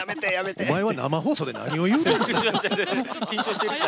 お前は生放送で何を言うてるんだ！